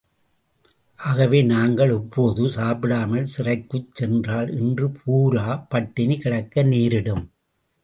ஆகவே நாங்கள் இப்போது சாப்பிடாமல் சிறைக்குச் சென்றால் இன்று பூரா பட்டினி கிடக்க நேரிடும்.